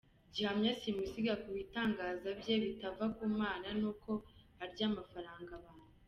Gihamya simusiga ko ibitangaza bye bitava ku mana, nuko arya amafranga y’abantu.